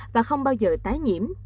và không bao giờ tái nhiễm